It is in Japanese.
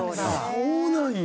そうなんや。